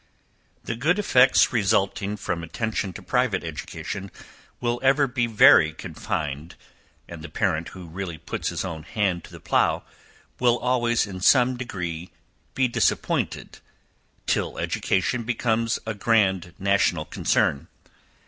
The good effects resulting from attention to private education will ever be very confined, and the parent who really puts his own hand to the plow, will always, in some degree be disappointed, till education becomes a grand national concern.